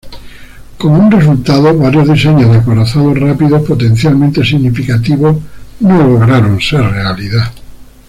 Como un resultado, varios diseños de acorazados rápidos potencialmente significativos no lograron ser realidad.